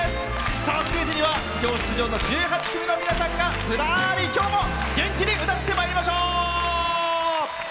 ステージには今日、出場の１８組の皆さんがずらーり、今日も元気に歌ってまいりましょう。